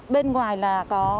bên ngoài là có